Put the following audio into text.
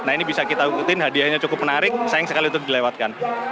nah ini bisa kita ikutin hadiahnya cukup menarik sayang sekali untuk dilewatkan